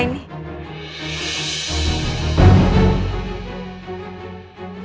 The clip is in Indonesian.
tidak ada apa apa